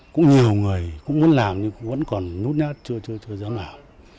cũng nhiều người cũng muốn làm nhưng vẫn còn nút nhát chưa giống nào